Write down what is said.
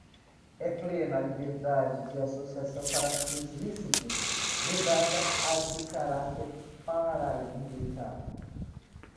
é plena a liberdade de associação para fins lícitos, vedada a de caráter paramilitar;